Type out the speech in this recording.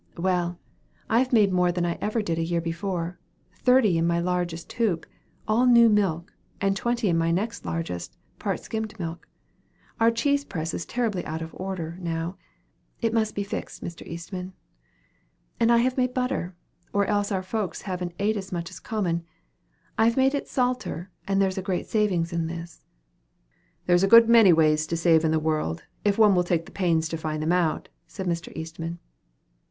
"Well, I've made more than I ever did a year afore thirty in my largest hoop, all new milk, and twenty in my next largest, part skimmed milk. Our cheese press is terribly out of order, now. It must be fixed, Mr. Eastman. And I have made more butter, or else our folks haven't ate as much as common. I've made it salter, and there's a great saving in this." "There's a good many ways to save in the world, if one will take pains to find them out," said Mr. Eastman.